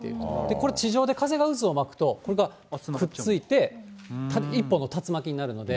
これ、地上で風が渦を巻くと、これがくっついて、一本の竜巻になるので。